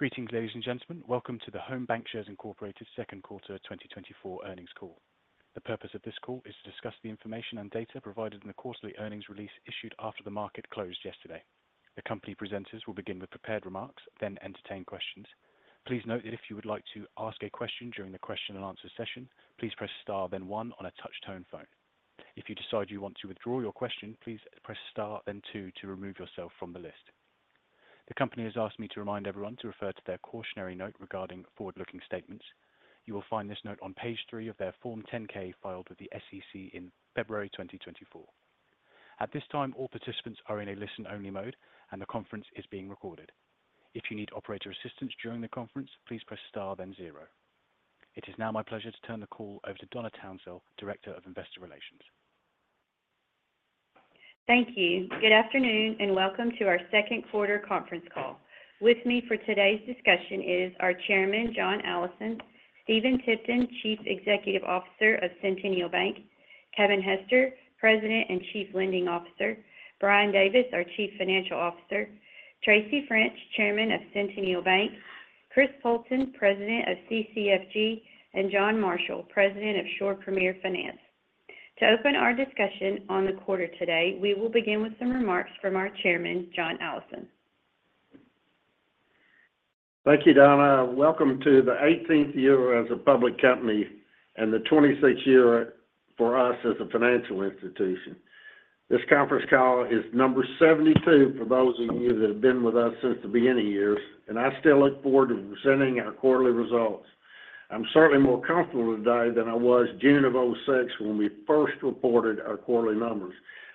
Greetings, ladies and gentlemen. Welcome to the Home BancShares Incorporated Second Quarter 2024 Earnings Call. The purpose of this call is to discuss the information and data provided in the quarterly earnings release issued after the market closed yesterday. The company presenters will begin with prepared remarks, then entertain questions. Please note that if you would like to ask a question during the question and answer session, please press star then one on a touch-tone phone. If you decide you want to withdraw your question, please press star, then two to remove yourself from the list. The company has asked me to remind everyone to refer to their cautionary note regarding forward-looking statements. You will find this note on page three of their Form 10-K, filed with the SEC in February 2024. At this time, all participants are in a listen-only mode, and the conference is being recorded. If you need operator assistance during the conference, please press Star, then zero. It is now my pleasure to turn the call over to Donna Townsell, Director of Investor Relations. Thank you. Good afternoon, and welcome to our second quarter conference call. With me for today's discussion is our Chairman, John Allison, Stephen Tipton, Chief Executive Officer of Centennial Bank, Kevin Hester, President and Chief Lending Officer, Brian Davis, our Chief Financial Officer, Tracy French, Chairman of Centennial Bank, Chris Poulton, President of CCFG, and John Marshall, President of Shore Premier Finance. To open our discussion on the quarter today, we will begin with some remarks from our Chairman, John Allison. Thank you, Donna. Welcome to the 18th year as a public company and the 26th year for us as a financial institution. This conference call is number 72 for those of you that have been with us since the beginning years, and I still look forward to presenting our quarterly results. I'm certainly more comfortable today than I was June of 2006 when we first reported our quarterly numbers.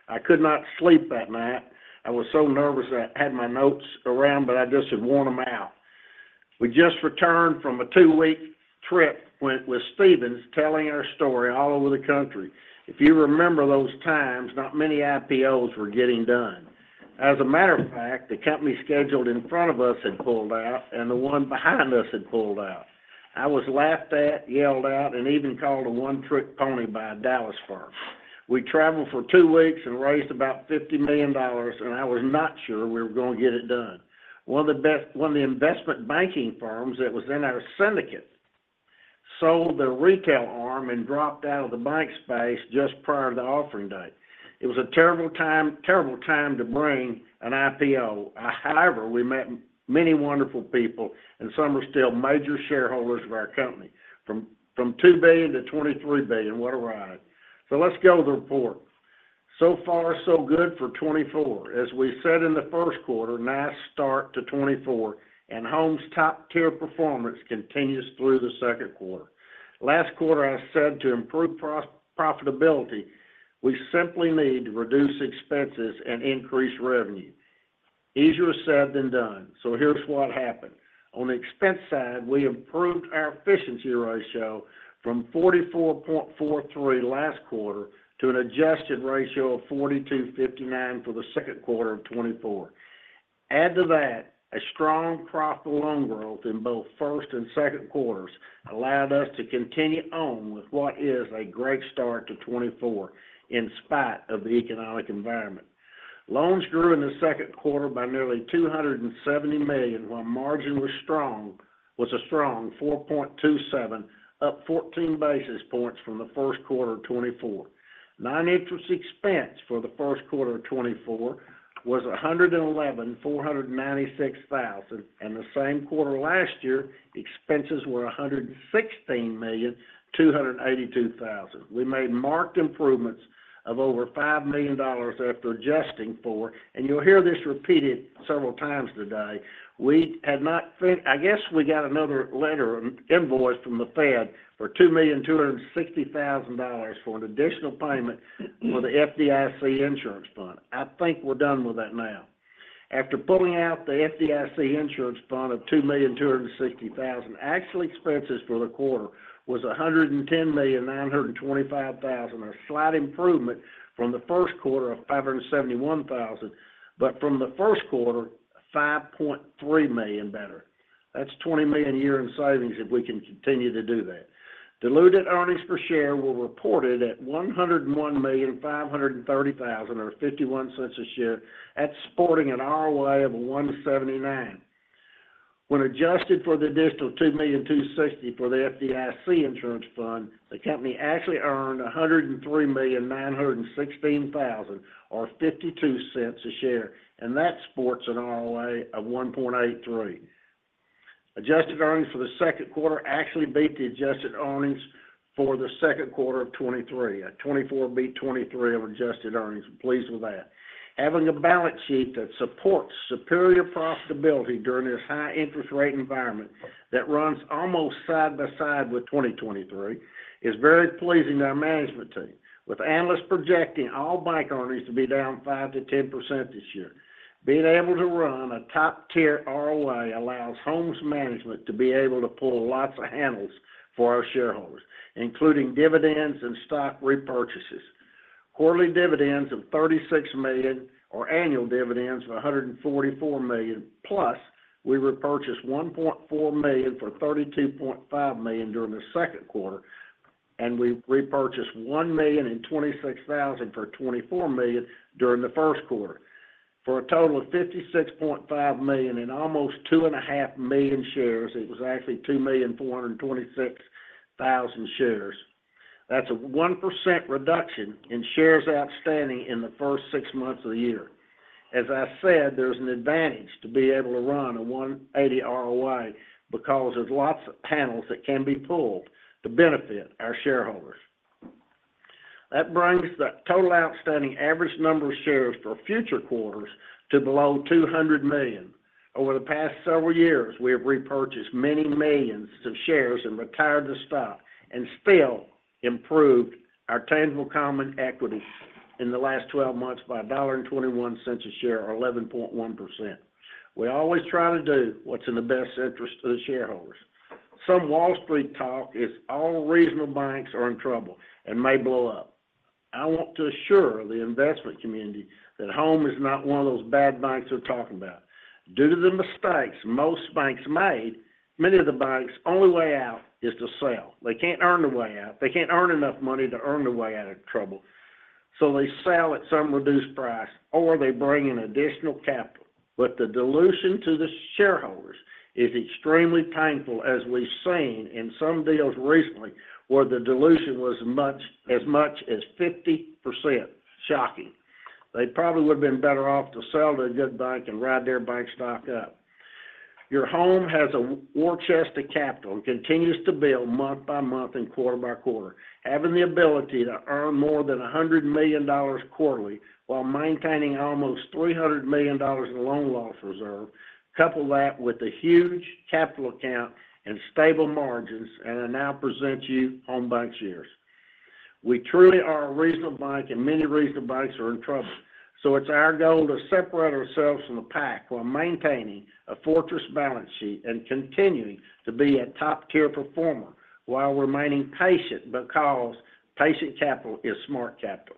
I could not sleep that night. I was so nervous that I had my notes around, but I just had worn them out. We just returned from a two-week trip with, with Stephens, telling our story all over the country. If you remember those times, not many IPOs were getting done. As a matter of fact, the company scheduled in front of us had pulled out, and the one behind us had pulled out. I was laughed at, yelled out, and even called a one-trick pony by a Dallas firm. We traveled for two weeks and raised about $50 million, and I was not sure we were going to get it done. One of the investment banking firms that was in our syndicate sold their retail arm and dropped out of the bank space just prior to the offering date. It was a terrible time, terrible time to bring an IPO. However, we met many wonderful people, and some are still major shareholders of our company. From $2 billion-$23 billion, what a ride! So let's go to the report. So far, so good for 2024. As we said in the first quarter, nice start to 2024 and Home's top-tier performance continues through the second quarter. Last quarter, I said, to improve profitability, we simply need to reduce expenses and increase revenue. Easier said than done, so here's what happened. On the expense side, we improved our efficiency ratio from 44.43% last quarter to an adjusted ratio of 42.59% for the second quarter of 2024. Add to that, a strong profitable loan growth in both first and second quarters allowed us to continue on with what is a great start to 2024, in spite of the economic environment. Loans grew in the second quarter by nearly $270 million, while margin was a strong 4.27%, up 14 basis points from the first quarter of 2024. Non-interest expense for the first quarter of 2024 was $111,496,000, and the same quarter last year, expenses were $116,282,000. We made marked improvements of over $5 million after adjusting for... And you'll hear this repeated several times today, I guess we got another letter, invoice from the Fed for $2,260,000 for an additional payment for the FDIC Insurance Fund. I think we're done with that now. After pulling out the FDIC Insurance Fund of $2,260,000, actual expenses for the quarter was $110,925,000, a slight improvement from the first quarter of $571,000, but from the first quarter, $5.3 million better. That's $20 million a year in savings if we can continue to do that. Diluted earnings per share were reported at $101,530,000 or $0.51 per share, supporting an ROA of 1.79%. When adjusted for the additional $2,260,000 for the FDIC Insurance Fund, the company actually earned $103,916,000 or $0.52 per share, and that supports an ROA of 1.83%. Adjusted earnings for the second quarter actually beat the adjusted earnings for the second quarter of 2023. At 2024 beat 2023 of adjusted earnings. I'm pleased with that. Having a balance sheet that supports superior profitability during this high interest rate environment that runs almost side by side with 2023, is very pleasing to our management team. With analysts projecting all bank earnings to be down 5%-10% this year, being able to run a top-tier ROA allows Home's management to be able to pull lots of handles for our shareholders, including dividends and stock repurchases. Quarterly dividends of $36 million, or annual dividends of $144 million, plus we repurchased 1.4 million for $32.5 million during the second quarter. We repurchased 1,026,000 for $24 million during the first quarter, for a total of $56.5 million and almost 2.5 million shares. It was actually 2,426,000 shares. That's a 1% reduction in shares outstanding in the first six months of the year. As I said, there's an advantage to be able to run a 1.80 ROI, because there's lots of levers that can be pulled to benefit our shareholders. That brings the total outstanding average number of shares for future quarters to below 200 million. Over the past several years, we have repurchased many millions of shares and retired the stock, and still improved our tangible common equity in the last 12 months by $1.21 a share, or 11.1%. We always try to do what's in the best interest of the shareholders. Some Wall Street talk is, all regional banks are in trouble and may blow up. I want to assure the investment community that Home is not one of those bad banks they're talking about. Due to the mistakes most banks made, many of the banks, only way out is to sell. They can't earn their way out. They can't earn enough money to earn their way out of trouble, so they sell at some reduced price, or they bring in additional capital. But the dilution to the shareholders is extremely painful, as we've seen in some deals recently, where the dilution was much, as much as 50%. Shocking! They probably would have been better off to sell to a good bank and ride their bank stock up. Home BancShares has a war chest of capital and continues to build month by month and quarter by quarter, having the ability to earn more than $100 million quarterly, while maintaining almost $300 million in loan loss reserve. Couple that with a huge capital account and stable margins, and I now present you Home BancShares. We truly are a regional bank, and many regional banks are in trouble, so it's our goal to separate ourselves from the pack while maintaining a fortress balance sheet and continuing to be a top-tier performer, while remaining patient, because patient capital is smart capital.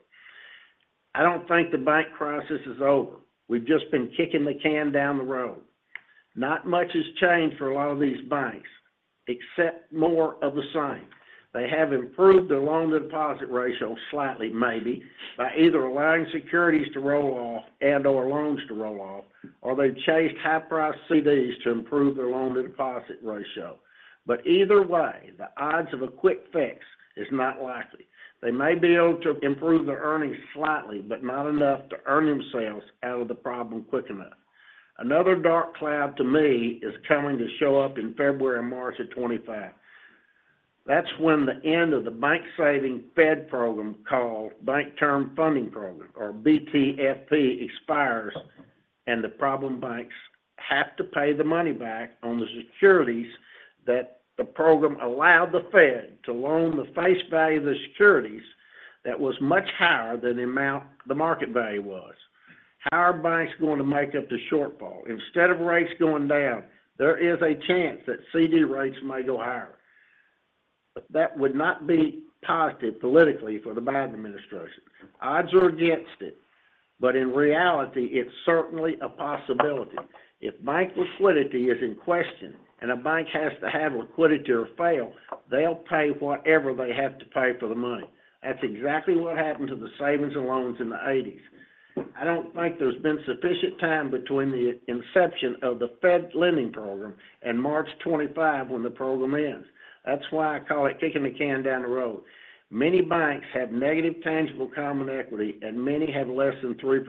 I don't think the bank crisis is over. We've just been kicking the can down the road. Not much has changed for a lot of these banks, except more of the same. They have improved their loan-to-deposit ratio slightly, maybe, by either allowing securities to roll off and/or loans to roll off, or they've chased high-priced CDs to improve their loan-to-deposit ratio. But either way, the odds of a quick fix is not likely. They may be able to improve their earnings slightly, but not enough to earn themselves out of the problem quick enough. Another dark cloud to me is coming to show up in February and March of 2025. That's when the end of the bank saving Fed program, called Bank Term Funding Program, or BTFP, expires, and the problem banks have to pay the money back on the securities that the program allowed the Fed to loan the face value of the securities that was much higher than the amount the market value was. How are banks going to make up the shortfall? Instead of rates going down, there is a chance that CD rates may go higher, but that would not be positive politically for the Biden administration. Odds are against it, but in reality, it's certainly a possibility. If bank liquidity is in question and a bank has to have liquidity or fail, they'll pay whatever they have to pay for the money. That's exactly what happened to the savings and loans in the 1980s. I don't think there's been sufficient time between the inception of the Fed lending program and March 2025, when the program ends. That's why I call it kicking the can down the road. Many banks have negative tangible common equity, and many have less than 3%.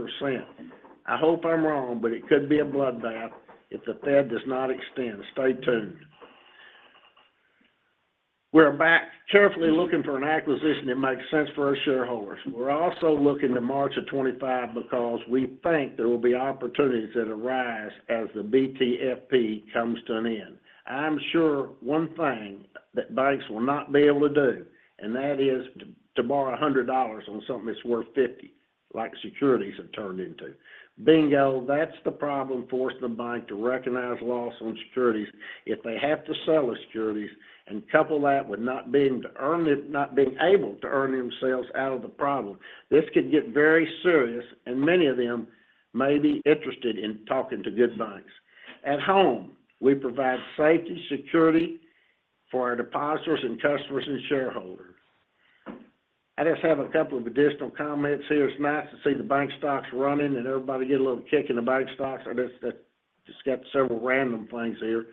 I hope I'm wrong, but it could be a bloodbath if the Fed does not extend. Stay tuned. We are back carefully looking for an acquisition that makes sense for our shareholders. We're also looking to March 2025 because we think there will be opportunities that arise as the BTFP comes to an end. I'm sure one thing that banks will not be able to do, and that is to borrow $100 on something that's worth $50, like securities have turned into. Bingo, that's the problem, forcing the bank to recognize loss on securities. If they have to sell the securities and couple that with not being able to earn themselves out of the problem, this could get very serious, and many of them may be interested in talking to good banks. At Home, we provide safety, security for our depositors and customers and shareholders. I just have a couple of additional comments here. It's nice to see the bank stocks running and everybody get a little kick in the bank stocks. I just got several random things here.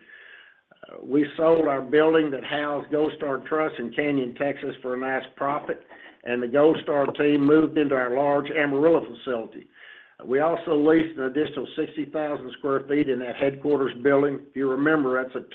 We sold our building that housed Gold Star Trust in Canyon, Texas, for a nice profit, and the Gold Star team moved into our large Amarillo facility. We also leased an additional 60,000 sq ft in that headquarters building. If you remember, that's a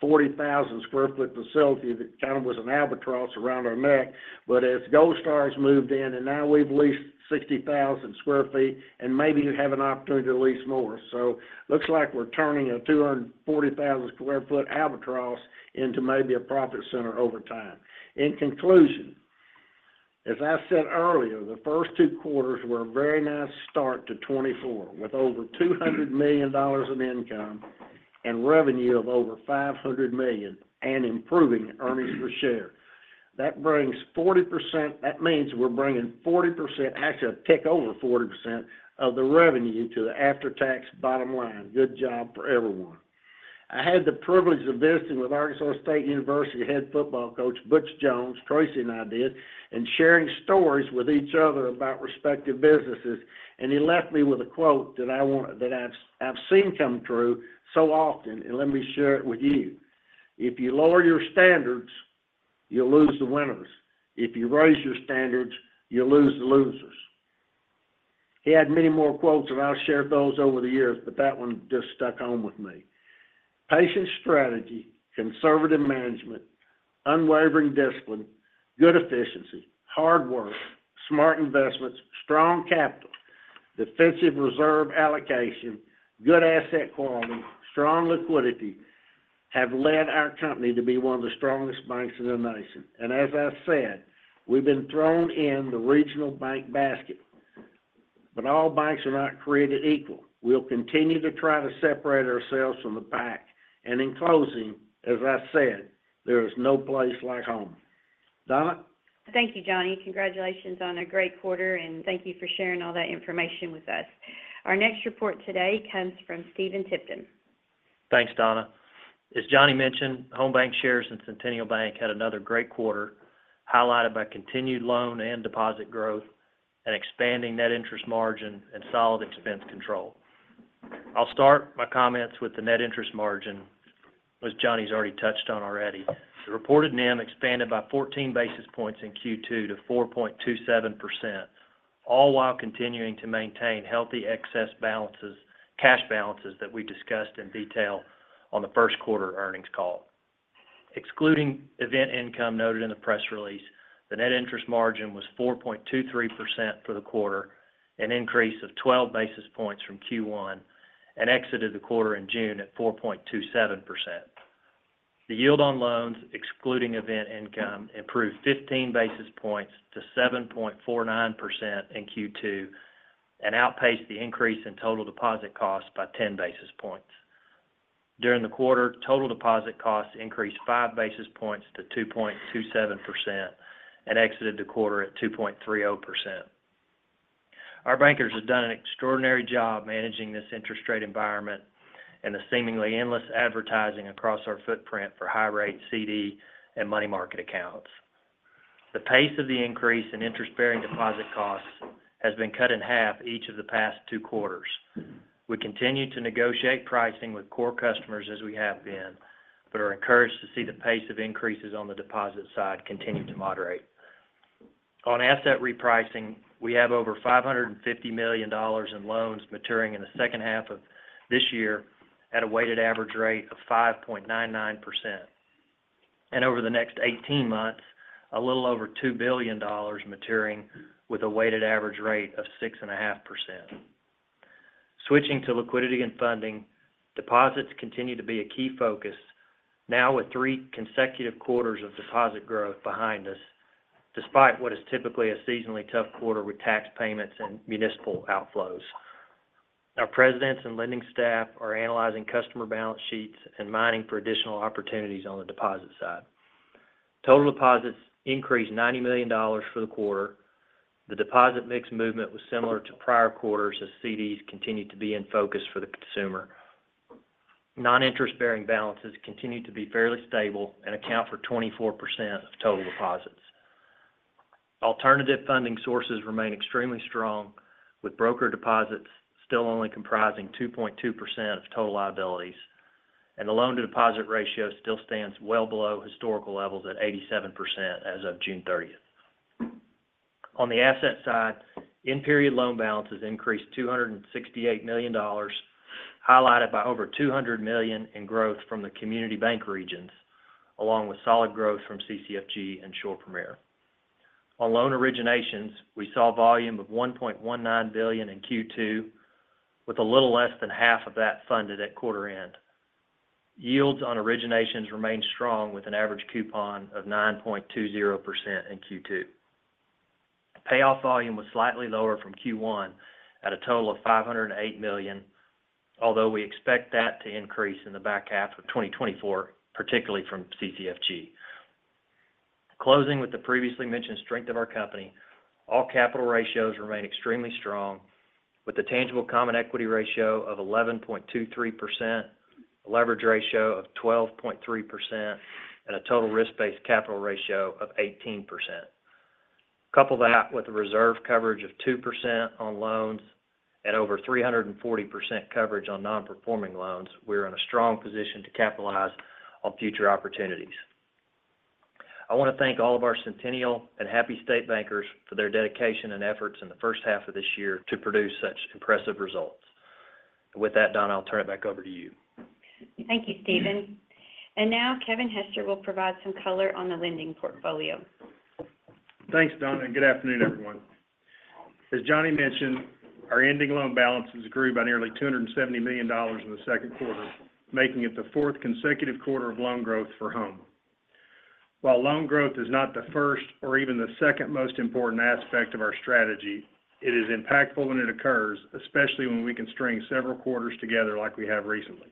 240,000 sq ft facility that kind of was an albatross around our neck. But as Gold Star has moved in, and now we've leased 60,000 sq ft and maybe have an opportunity to lease more. So looks like we're turning a 240,000 sq ft albatross into maybe a profit center over time. In conclusion, as I said earlier, the first two quarters were a very nice start to 2024, with over $200 million in income and revenue of over $500 million and improving earnings per share. That brings 40%... That means we're bringing 40%, actually, a tick over 40% of the revenue into the after-tax bottom line. Good job for everyone. I had the privilege of visiting with Arkansas State University head football coach, Butch Jones, Tracy and I did, and sharing stories with each other about respective businesses. And he left me with a quote that I've seen come true so often, and let me share it with you: "If you lower your standards, you'll lose the winners. If you raise your standards, you'll lose the losers." He had many more quotes, and I've shared those over the years, but that one just stuck home with me. Patient strategy, conservative management, unwavering discipline, good efficiency, hard work, smart investments, strong capital, defensive reserve allocation, good asset quality, strong liquidity, have led our company to be one of the strongest banks in the nation. And as I said, we've been thrown in the regional bank basket, but all banks are not created equal. We'll continue to try to separate ourselves from the pack. In closing, as I said, there is no place like home. Donna? Thank you, Johnny. Congratulations on a great quarter, and thank you for sharing all that information with us. Our next report today comes from Stephen Tipton. Thanks, Donna. As Johnny mentioned, Home BancShares and Centennial Bank had another great quarter, highlighted by continued loan and deposit growth and expanding net interest margin and solid expense control. I'll start my comments with the net interest margin, which Johnny's already touched on already. The reported NIM expanded by 14 basis points in Q2 to 4.27%, all while continuing to maintain healthy excess balances, cash balances that we discussed in detail on the first quarter earnings call. Excluding event income noted in the press release, the net interest margin was 4.23% for the quarter, an increase of 12 basis points from Q1, and exited the quarter in June at 4.27%. The yield on loans, excluding event income, improved 15 basis points to 7.49% in Q2 and outpaced the increase in total deposit costs by 10 basis points. During the quarter, total deposit costs increased five basis points to 2.27% and exited the quarter at 2.30%. Our bankers have done an extraordinary job managing this interest rate environment and the seemingly endless advertising across our footprint for high-rate CD and money market accounts. The pace of the increase in interest-bearing deposit costs has been cut in half each of the past two quarters. We continue to negotiate pricing with core customers, as we have been, but are encouraged to see the pace of increases on the deposit side continue to moderate. On asset repricing, we have over $550 million in loans maturing in the second half of this year at a weighted average rate of 5.99%. Over the next 18 months, a little over $2 billion maturing with a weighted average rate of 6.5%. Switching to liquidity and funding, deposits continue to be a key focus, now with three consecutive quarters of deposit growth behind us, despite what is typically a seasonally tough quarter with tax payments and municipal outflows. Our presidents and lending staff are analyzing customer balance sheets and mining for additional opportunities on the deposit side. Total deposits increased $90 million for the quarter. The deposit mix movement was similar to prior quarters, as CDs continued to be in focus for the consumer. Non-interest-bearing balances continued to be fairly stable and account for 24% of total deposits. Alternative funding sources remain extremely strong, with broker deposits still only comprising 2.2% of total liabilities, and the loan-to-deposit ratio still stands well below historical levels at 87% as of June 30. On the asset side, in-period loan balances increased $268 million, highlighted by over $200 million in growth from the community bank regions, along with solid growth from CCFG and Shore Premier. On loan originations, we saw volume of $1.19 billion in Q2, with a little less than half of that funded at quarter end. Yields on originations remained strong, with an average coupon of 9.20% in Q2. Payoff volume was slightly lower from Q1 at a total of $508 million, although we expect that to increase in the back half of 2024, particularly from CCFG. Closing with the previously mentioned strength of our company, all capital ratios remain extremely strong, with a tangible common equity ratio of 11.23%, a leverage ratio of 12.3%, and a total risk-based capital ratio of 18%. Couple that with a reserve coverage of 2% on loans and over 340% coverage on non-performing loans, we're in a strong position to capitalize on future opportunities. I want to thank all of our Centennial and Happy State bankers for their dedication and efforts in the first half of this year to produce such impressive results. With that, Donna, I'll turn it back over to you. Thank you, Stephen. And now, Kevin Hester will provide some color on the lending portfolio. Thanks, Donna, and good afternoon, everyone. As Johnny mentioned, our ending loan balances grew by nearly $270 million in the second quarter, making it the fourth consecutive quarter of loan growth for Home. While loan growth is not the first or even the second most important aspect of our strategy, it is impactful when it occurs, especially when we can string several quarters together like we have recently.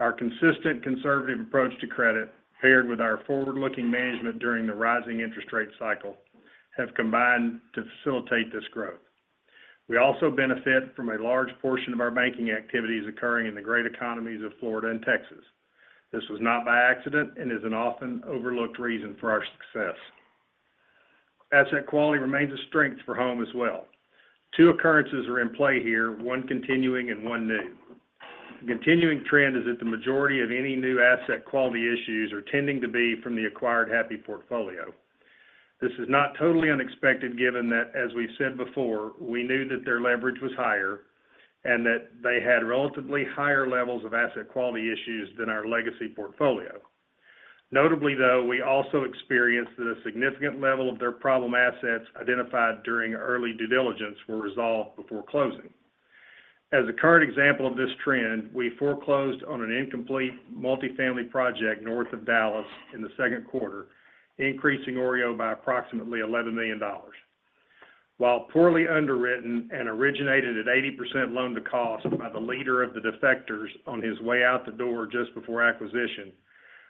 Our consistent, conservative approach to credit, paired with our forward-looking management during the rising interest rate cycle, have combined to facilitate this growth. We also benefit from a large portion of our banking activities occurring in the great economies of Florida and Texas. This was not by accident, and is an often overlooked reason for our success. Asset quality remains a strength for Home as well. Two occurrences are in play here, one continuing and one new. The continuing trend is that the majority of any new asset quality issues are tending to be from the acquired Happy portfolio. This is not totally unexpected, given that, as we've said before, we knew that their leverage was higher, and that they had relatively higher levels of asset quality issues than our legacy portfolio. Notably, though, we also experienced that a significant level of their problem assets identified during early due diligence were resolved before closing. As a current example of this trend, we foreclosed on an incomplete multifamily project north of Dallas in the second quarter, increasing OREO by approximately $11 million. While poorly underwritten and originated at 80% loan-to-cost by the leader of the defectors on his way out the door just before acquisition,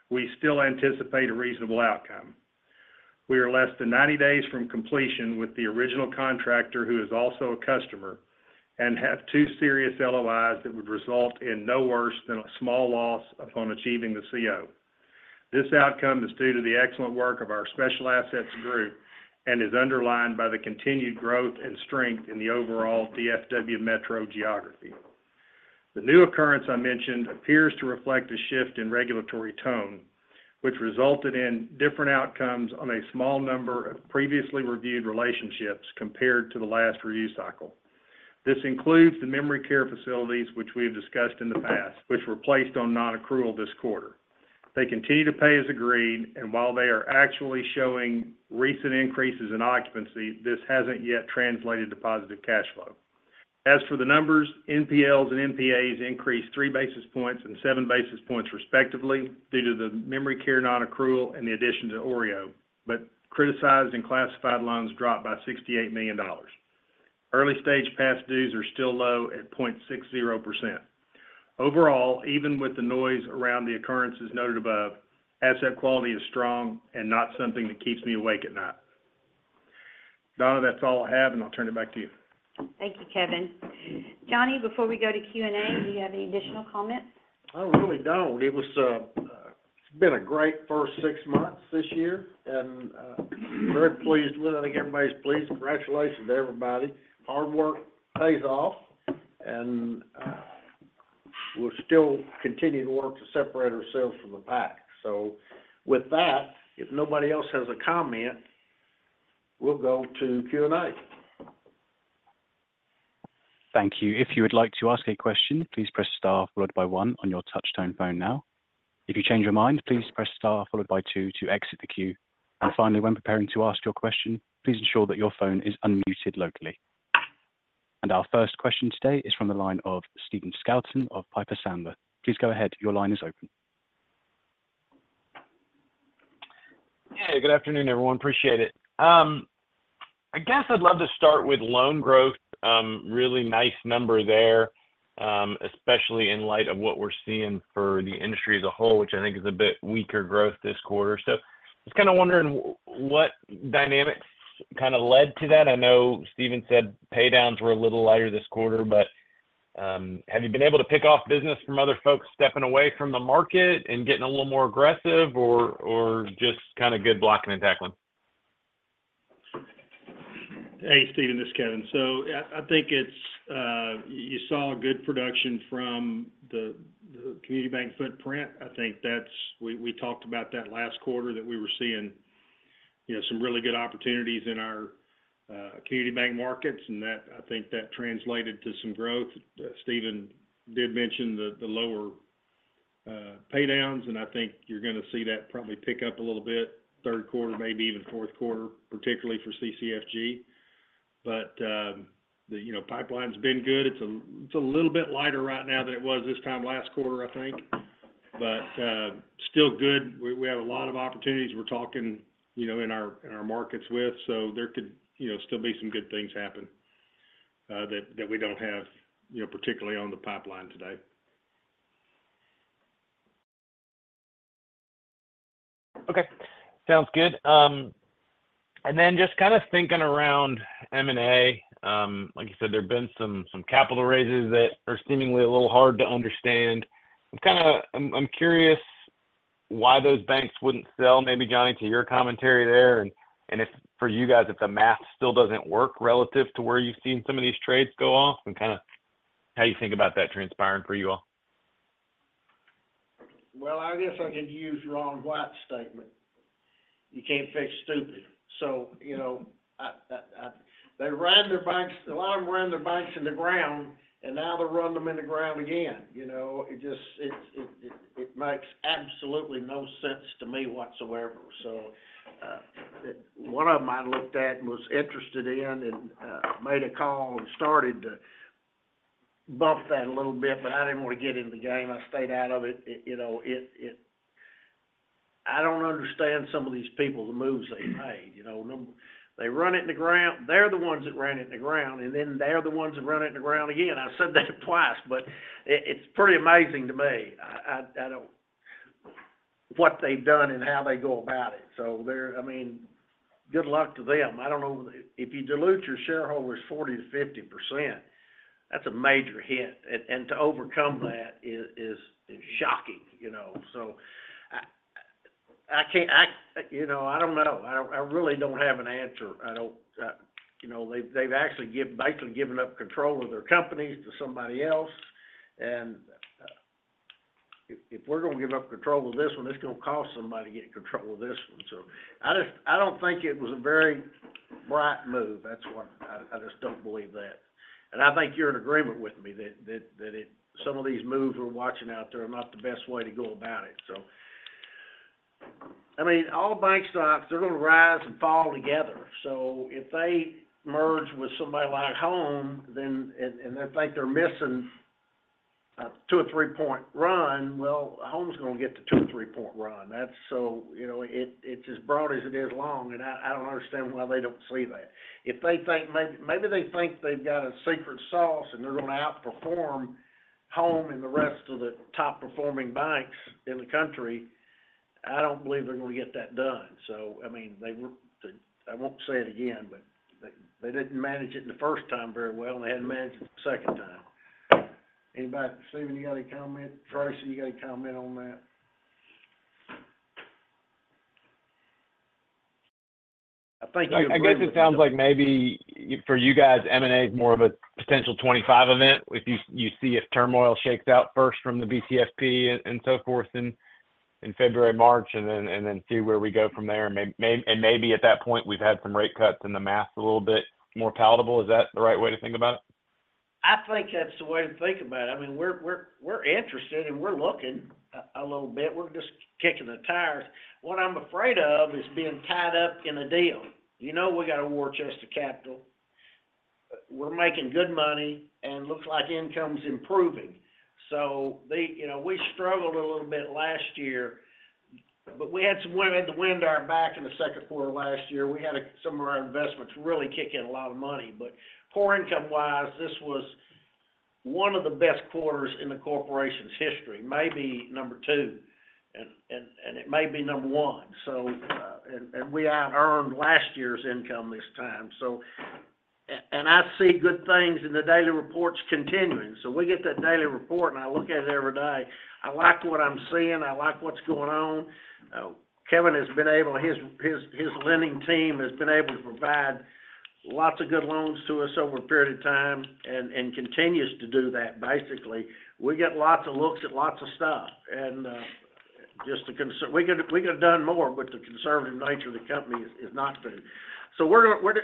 we still anticipate a reasonable outcome. We are less than 90 days from completion with the original contractor, who is also a customer, and have two serious LOIs that would result in no worse than a small loss upon achieving the CO. This outcome is due to the excellent work of our special assets group, and is underlined by the continued growth and strength in the overall DFW metro geography. The new occurrence I mentioned appears to reflect a shift in regulatory tone, which resulted in different outcomes on a small number of previously reviewed relationships compared to the last review cycle. This includes the memory care facilities, which we have discussed in the past, which were placed on nonaccrual this quarter. They continue to pay as agreed, and while they are actually showing recent increases in occupancy, this hasn't yet translated to positive cash flow. As for the numbers, NPLs and NPAs increased three basis points and seven basis points, respectively, due to the memory care nonaccrual and the addition to OREO, but criticized and classified loans dropped by $68 million. Early stage past dues are still low at 0.60%. Overall, even with the noise around the occurrences noted above, asset quality is strong and not something that keeps me awake at night. Donna, that's all I have, and I'll turn it back to you. Thank you, Kevin. Johnny, before we go to Q&A, do you have any additional comments? I really don't. It was, it's been a great first six months this year, and, very pleased with it. I think everybody's pleased. Congratulations to everybody. Hard work pays off, and, we'll still continue to work to separate ourselves from the pack. So with that, if nobody else has a comment, we'll go to Q&A. Thank you. If you would like to ask a question, please press star followed by one on your touchtone phone now. If you change your mind, please press star followed by two to exit the queue. And finally, when preparing to ask your question, please ensure that your phone is unmuted locally. Our first question today is from the line of Stephen Scouten of Piper Sandler. Please go ahead. Your line is open. Hey, good afternoon, everyone. Appreciate it. I guess I'd love to start with loan growth. Really nice number there, especially in light of what we're seeing for the industry as a whole, which I think is a bit weaker growth this quarter. So I was kind of wondering what dynamics kind of led to that? I know Stephen said pay downs were a little lighter this quarter, but have you been able to pick off business from other folks stepping away from the market and getting a little more aggressive, or just kind of good blocking and tackling? Hey, Stephen, this is Kevin. So I think it's you saw good production from the community bank footprint. I think that's we talked about that last quarter, that we were seeing, you know, some really good opportunities in our community bank markets, and that I think that translated to some growth. Stephen did mention the lower pay downs, and I think you're going to see that probably pick up a little bit third quarter, maybe even fourth quarter, particularly for CCFG. But you know, pipeline's been good. It's a little bit lighter right now than it was this time last quarter, I think, but still good. We have a lot of opportunities we're talking, you know, in our markets with, so there could, you know, still be some good things happen that we don't have, you know, particularly on the pipeline today. Okay. Sounds good. And then just kind of thinking around M&A, like you said, there have been some capital raises that are seemingly a little hard to understand. I'm kind of... I'm curious why those banks wouldn't sell? Maybe, Johnny, to your commentary there, and if, for you guys, if the math still doesn't work relative to where you've seen some of these trades go off, and kind of how you think about that transpiring for you all. Well, I guess I can use Ron White's statement: "You can't fix stupid." So, you know, they ran their banks. A lot of them ran their banks in the ground, and now they're running them in the ground again. You know, it just makes absolutely no sense to me whatsoever. So, one of them I looked at and was interested in and made a call and started to buff that a little bit, but I didn't want to get in the game. I stayed out of it. You know, I don't understand some of these people, the moves they made, you know. They're the ones that ran it in the ground, and then they're the ones that run it in the ground again. I've said that twice, but it's pretty amazing to me. I don't know what they've done and how they go about it. So they're, I mean, good luck to them. I don't know if you dilute your shareholders 40%-50%, that's a major hit. And to overcome that is shocking, you know? So I can't, you know, I don't know. I don't, I really don't have an answer. I don't. You know, they've actually, basically given up control of their companies to somebody else, and if we're gonna give up control of this one, it's gonna cost somebody to get control of this one. So I just, I don't think it was a very bright move. That's what, I just don't believe that. And I think you're in agreement with me that it, some of these moves we're watching out there are not the best way to go about it. So, I mean, all bank stocks, they're gonna rise and fall together. So if they merge with somebody like Home, then and they think they're missing a two- or three-point run, well, Home's gonna get the two- or three-point run. That's so... You know, it, it's as broad as it is long, and I, I don't understand why they don't see that. If they think maybe - maybe they think they've got a secret sauce, and they're gonna outperform Home and the rest of the top-performing banks in the country, I don't believe they're gonna get that done. So I mean, they were, they, I won't say it again, but they, they didn't manage it the first time very well, and they hadn't managed it the second time. Anybody, Stephen, you got any comment? Tracy, you got any comment on that? I think you agree with me. I guess it sounds like maybe for you guys, M&A is more of a potential 25 event, if you see if turmoil shakes out first from the BCFP and so forth in February, March, and then see where we go from there. And maybe at that point, we've had some rate cuts, and the math's a little bit more palatable. Is that the right way to think about it? I think that's the way to think about it. I mean, we're interested, and we're looking a little bit. We're just kicking the tires. What I'm afraid of is being tied up in a deal. You know, we got a war chest of capital. We're making good money, and looks like income's improving. So the... You know, we struggled a little bit last year, but we had some wind, the wind at our back in the second quarter last year. We had some of our investments really kick in a lot of money. But core income-wise, this was one of the best quarters in the corporation's history, maybe number two, and it may be number one. So, and we out-earned last year's income this time. So and I see good things in the daily reports continuing. So we get that daily report, and I look at it every day. I like what I'm seeing. I like what's going on. Kevin has been able, his lending team has been able to provide lots of good loans to us over a period of time and continues to do that, basically. We get lots of looks at lots of stuff, and we could have done more, but the conservative nature of the company has not been. So we're gonna.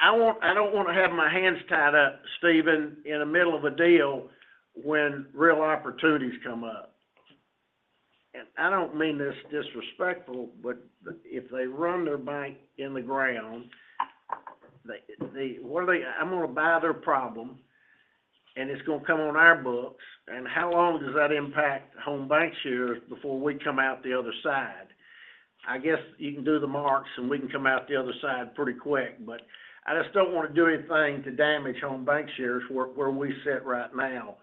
I want—I don't wanna have my hands tied up, Stephen, in the middle of a deal when real opportunities come up. And I don't mean this disrespectful, but if they run their bank into the ground, what are they—I'm gonna buy their problem, and it's gonna come on our books. And how long does that impact Home BancShares before we come out the other side? I guess you can do the marks, and we can come out the other side pretty quick, but I just don't wanna do anything to damage Home BancShares where, where we sit right now.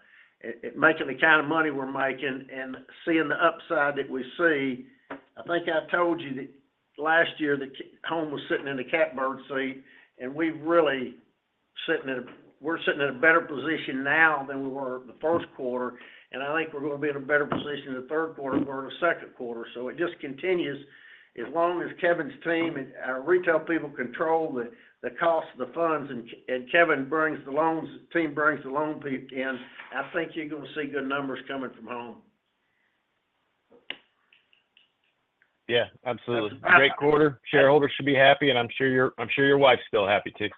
At making the kind of money we're making and seeing the upside that we see, I think I told you that last year, the Home was sitting in the catbird seat, and we've really sitting in a... We're sitting in a better position now than we were the first quarter, and I think we're gonna be in a better position in the third quarter than we were in the second quarter. So it just continues. As long as Kevin's team and our retail people control the cost of the funds, and Kevin brings the loans, team brings the loan people in, I think you're gonna see good numbers coming from Home. Yeah, absolutely. I. Great quarter. Shareholders should be happy, and I'm sure your wife's still happy, too.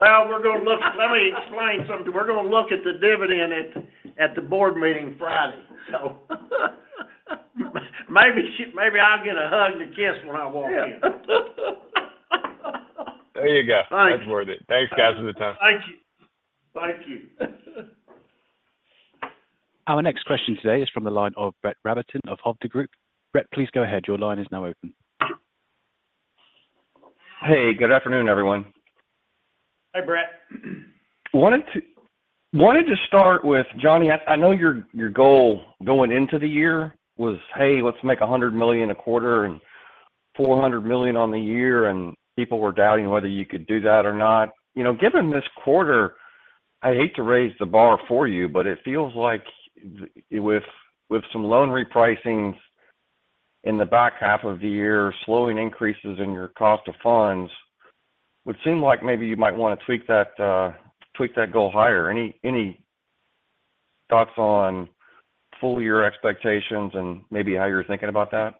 Well, we're gonna look... Let me explain something. We're gonna look at the dividend at, at the board meeting Friday, so maybe she, maybe I'll get a hug and a kiss when I walk in. There you go. Thank you. That's worth it. Thanks, guys, for the time. Thank you. Thank you. Our next question today is from the line of Brett Rabatin of Hovde Group. Brett, please go ahead. Your line is now open. Hey, good afternoon, everyone. Hi, Brett. Wanted to start with, Johnny, I know your goal going into the year was, "Hey, let's make $100 million a quarter and $400 million on the year," and people were doubting whether you could do that or not. You know, given this quarter, I hate to raise the bar for you, but it feels like with some loan repricings in the back half of the year, slowing increases in your cost of funds, would seem like maybe you might wanna tweak that goal higher. Any thoughts on full year expectations and maybe how you're thinking about that?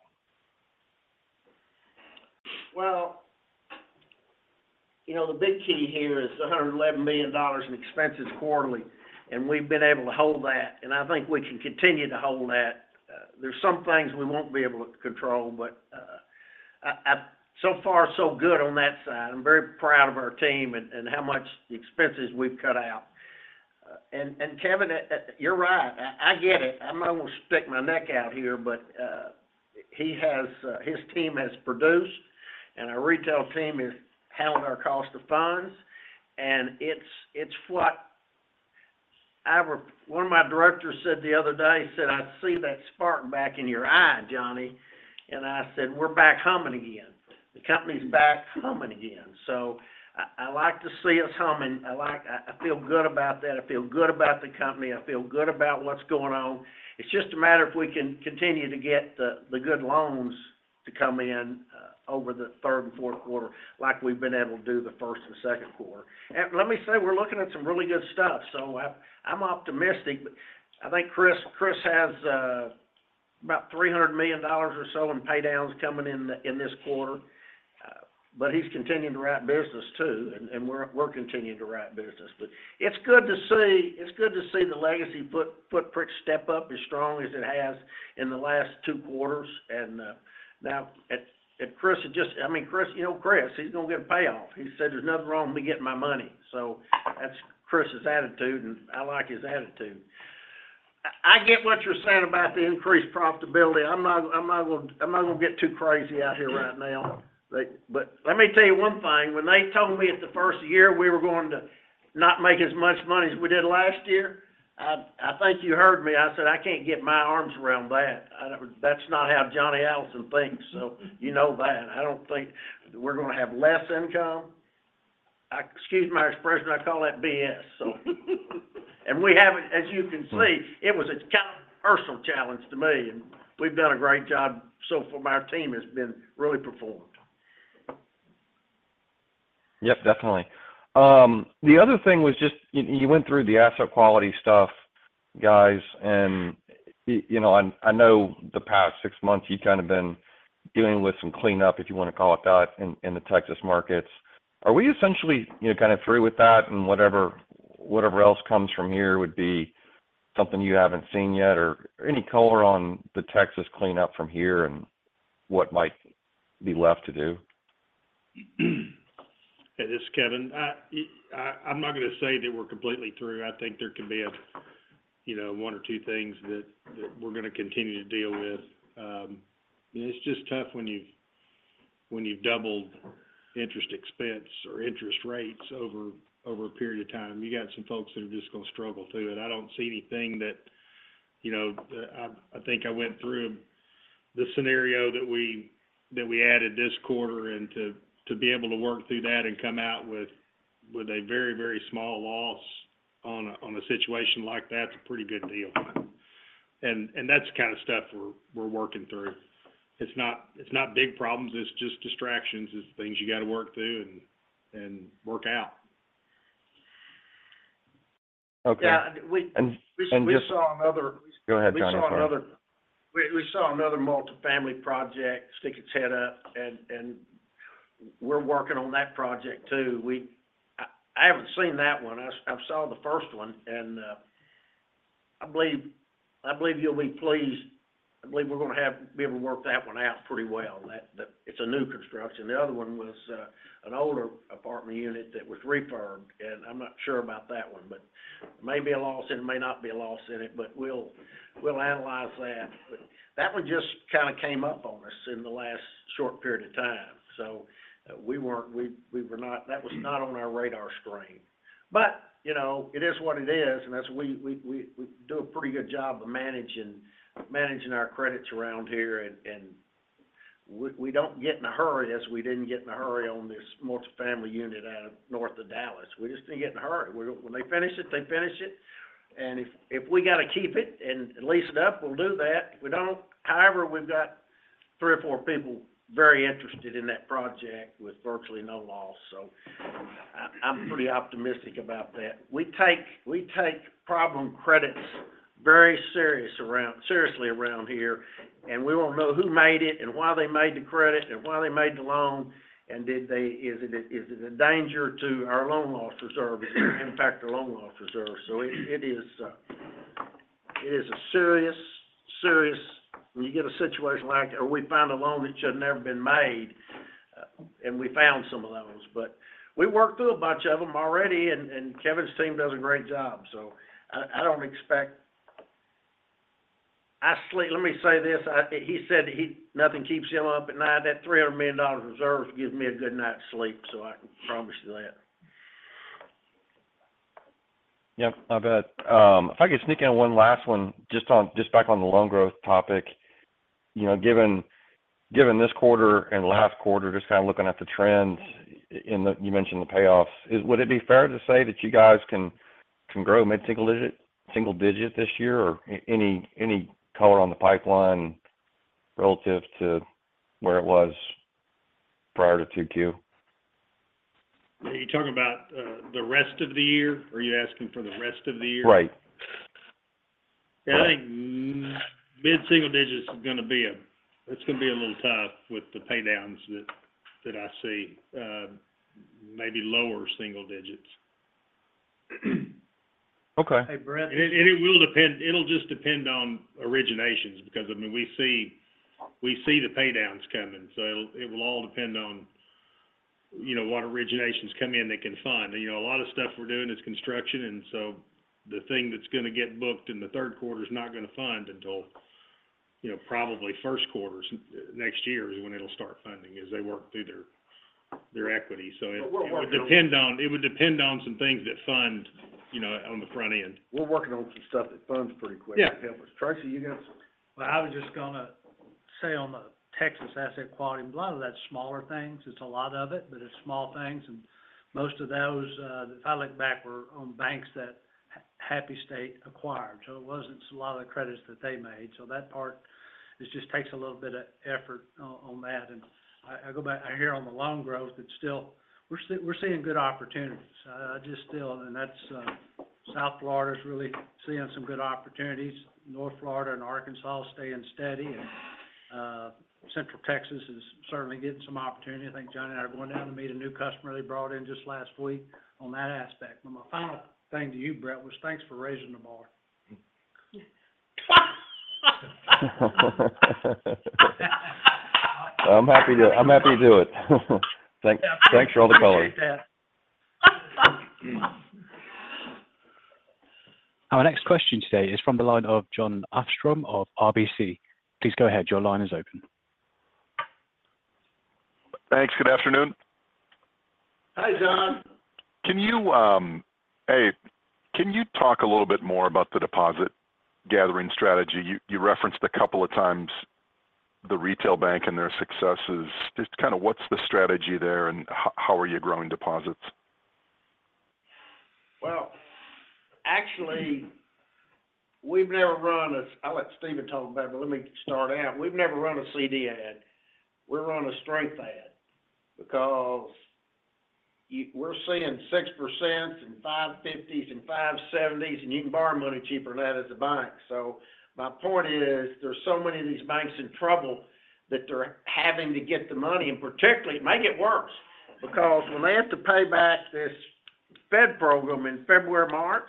Well, you know, the big key here is $111 million in expenses quarterly, and we've been able to hold that, and I think we can continue to hold that. There's some things we won't be able to control, but, so far, so good on that side. I'm very proud of our team and how much expenses we've cut out. And Kevin, you're right. I get it. I'm almost stick my neck out here, but he has his team has produced, and our retail team is handling our cost of funds, and it's flat. One of my directors said the other day, he said, "I see that spark back in your eye, Johnny." And I said, "We're back humming again. The company's back humming again." So I like to see us humming. I like. I feel good about that. I feel good about the company. I feel good about what's going on. It's just a matter if we can continue to get the good loans to come in over the third and fourth quarter like we've been able to do the first and second quarter. Let me say, we're looking at some really good stuff, so I'm optimistic, but I think Chris has about $300 million or so in paydowns coming in this quarter. But he's continuing to write business too, and we're continuing to write business. But it's good to see. It's good to see the Legacy footprint step up as strongly as it has in the last two quarters. And Chris has just—I mean, Chris, you know Chris, he's gonna get a payoff. He said, "There's nothing wrong with me getting my money," so that's Chris's attitude, and I like his attitude. I get what you're saying about the increased profitability. I'm not gonna get too crazy out here right now. But let me tell you one thing, when they told me at the first of the year we were going to not make as much money as we did last year, I think you heard me, I said, "I can't get my arms around that." I never—That's not how Johnny Allison thinks, so you know that. I don't think we're gonna have less income. I excuse my expression, I call that BS, so. We have, as you can see, it was a personal challenge to me, and we've done a great job so far. Our team has been really performed. Yep, definitely. The other thing was just, you went through the asset quality stuff, guys, and you know, and I know the past six months, you've kind of been dealing with some cleanup, if you want to call it that, in the Texas markets. Are we essentially, you know, kind of through with that, and whatever else comes from here would be something you haven't seen yet? Or any color on the Texas cleanup from here and what might be left to do? Hey, this is Kevin. I'm not gonna say that we're completely through. I think there could be a, you know, one or two things that, that we're gonna continue to deal with. And it's just tough when you've, when you've doubled interest expense or interest rates over, over a period of time. You got some folks that are just gonna struggle through it. I don't see anything that, you know... I think I went through the scenario that we, that we added this quarter, and to, to be able to work through that and come out with, with a very, very small loss on a, on a situation like that is a pretty good deal. And, and that's the kind of stuff we're, we're working through. It's not, it's not big problems, it's just distractions. It's things you got to work through and work out. Okay. Yeah, we. And just. We saw another. Go ahead, Johnny, sorry. We saw another multifamily project stick its head up, and we're working on that project too. I haven't seen that one. I saw the first one, and I believe you'll be pleased. I believe we're gonna be able to work that one out pretty well. That, it's a new construction. The other one was an older apartment unit that was refurbed, and I'm not sure about that one, but may be a loss in it, may not be a loss in it, but we'll analyze that. But that one just kind of came up on us in the last short period of time, so we were not-- that was not on our radar screen. You know, it is what it is, and that's we do a pretty good job of managing our credits around here, and we don't get in a hurry, as we didn't get in a hurry on this multifamily unit out of north of Dallas. We just didn't get in a hurry. When they finish it, they finish it, and if we got to keep it and lease it up, we'll do that. If we don't... However, we've got three or four people very interested in that project with virtually no loss, so I'm pretty optimistic about that. We take problem credits very seriously around here, and we want to know who made it and why they made the credit and why they made the loan, and is it a danger to our loan loss reserve? Impact the loan loss reserve. So it is a serious when you get a situation like that, or we find a loan that should have never been made, and we found some of those. But we worked through a bunch of them already, and Kevin's team does a great job, so I don't expect. Let me say this, he said that nothing keeps him up at night. That $300 million reserve gives me a good night's sleep, so I can promise you that. Yep, I bet. If I could sneak in one last one, just on, just back on the loan growth topic. You know, given this quarter and last quarter, just kind of looking at the trends in the... You mentioned the payoffs. Would it be fair to say that you guys can grow mid-single digit, single digit this year, or any color on the pipeline relative to where it was prior to 2Q? Are you talking about the rest of the year? Are you asking for the rest of the year? Right. Yeah, I think mid-single digit is gonna be a... It's gonna be a little tough with the paydowns that I see, maybe lower single digits. Okay. Hey, Brett. And it will depend—it'll just depend on originations, because, I mean, we see the paydowns coming, so it will all depend on, you know, what originations come in they can fund. You know, a lot of stuff we're doing is construction, and so the thing that's gonna get booked in the third quarter is not gonna fund until, you know, probably first quarter, next year is when it'll start funding, as they work through their- Your equity. So it would depend on some things that fund, you know, on the front end. We're working on some stuff that funds pretty quick. Yeah To help us. Tracy, you got something? Well, I was just going to say on the Texas asset quality, a lot of that's smaller things. It's a lot of it, but it's small things, and most of those, if I look back, were on banks that Happy State acquired, so it wasn't a lot of the credits that they made. So that part, it just takes a little bit of effort on, on that. And I go back, I hear on the loan growth, it's still-- we're seeing, we're seeing good opportunities, just still, and that's, South Florida is really seeing some good opportunities. North Florida and Arkansas are staying steady, and, Central Texas is certainly getting some opportunity. I think Johnny and I are going down to meet a new customer they brought in just last week on that aspect. My final thing to you, Brett, was thanks for raising the bar. I'm happy to do it. Thanks for all the colors. I appreciate that. Our next question today is from the line of Jon Arfstrom of RBC. Please go ahead. Your line is open. Thanks. Good afternoon. Hi, Jon. Can you talk a little bit more about the deposit gathering strategy? You referenced a couple of times the retail bank and their successes. Just kind of what's the strategy there, and how are you growing deposits? Well, actually, we've never run a—I'll let Stephen talk about it, but let me start out. We've never run a CD ad. We run a strength ad because you—we're seeing 6% and 5.50% and 5.70%, and you can borrow money cheaper than that at the bank. So my point is, there's so many of these banks in trouble that they're having to get the money, and particularly, it may get worse, because when they have to pay back this Fed program in February, March,